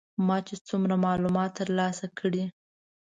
ما چې څومره معلومات تر لاسه کړل.